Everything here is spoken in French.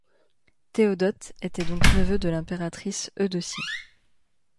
Théodote était donc neveu de l'impératrice Eudocie.